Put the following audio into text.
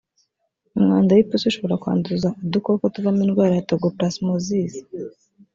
umwanda w’ipusi ushobora kwanduza udukoko tuvamo indwara ya toxoplasmosis